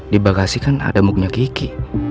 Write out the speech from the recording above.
di bagasi kan ada muknya gigi